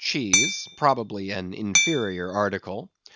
cheese (probably an inferior article).